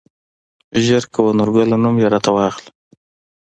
زر کوه نورګله نوم يې راته واخله.